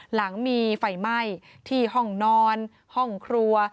หลังมีไฟไหม้ที่ห้องนอนห้องครัว